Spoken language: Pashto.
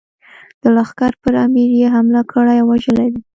د لښکر پر امیر یې حمله کړې او وژلی دی.